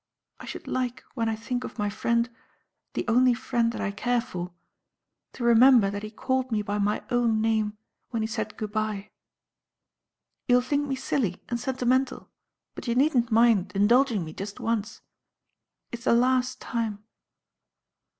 I should like, when I think of my friend the only friend that I care for to remember that he called me by my own name when he said good bye. You'll think me silly and sentimental, but you needn't mind indulging me just once. It's the last time."